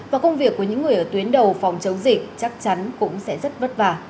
và công việc của những người ở tuyến đầu phòng chống dịch chắc chắn cũng sẽ rất vất vả